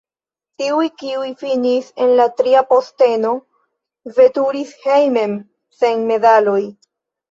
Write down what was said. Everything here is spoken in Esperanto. Tiuj, kiuj finis en la tria posteno, veturis hejmen sen medaloj.